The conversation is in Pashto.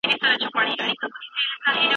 سندي څېړنه له خپلواکې څيړني سره ډېر توپیر لري.